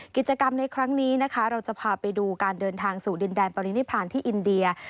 กิจกรรมในครั้งนี้นะคะเราจะพาไปดูการเดินทางสู่ดินแดนปรินิพานที่อินเดีย